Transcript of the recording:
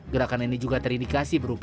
gerakan ini juga terindikasi berupa